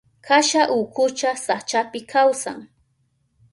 Kasha ukucha sachapi kawsan.